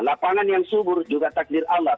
lapangan yang subur juga takdir allah